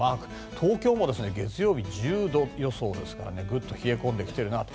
東京も月曜日、１０度予想ですからねぐっと冷え込んできているなと。